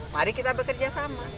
mari kita bekerja sama